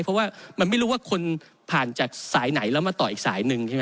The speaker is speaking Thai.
เพราะว่ามันไม่รู้ว่าคนผ่านจากสายไหนแล้วมาต่ออีกสายหนึ่งใช่ไหม